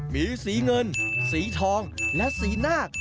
มีสีเงินสีทองและสีนาค